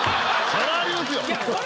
そらありますよ。